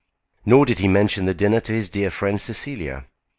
Nor did he mention the dinner to his dear friend Cecilia.